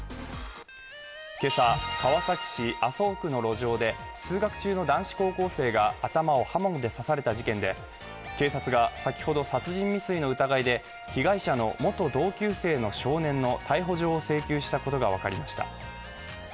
今朝、川崎市麻生区の路上で通学中の男子高校生が頭を刃物を刺された事件で、警察が先ほど、殺人未遂の疑いで被害者の元同級生の少年の逮捕状を請求したことが分かりました。